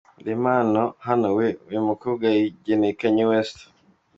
Dore impano hano wee!! Uyu mukobwa yayigeneye Kanye West!.